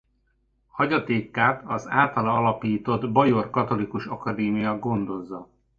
Hagyatékát az általa alapított Bajor Katolikus Akadémia gondozza.